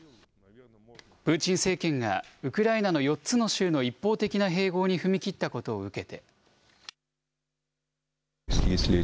プーチン政権がウクライナの４つの州の一方的な併合に踏み切ったことを受け。